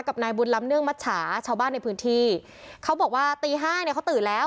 กับนายบุญลำเนื่องมัชชาชาวบ้านในพื้นที่เขาบอกว่าตีห้าเนี่ยเขาตื่นแล้ว